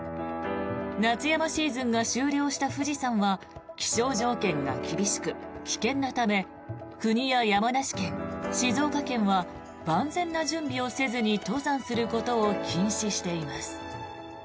夏山シーズンが終了した富士山は気象条件が厳しく危険なため国や山梨県、静岡県は万全な準備をせずに登山することを禁止しています。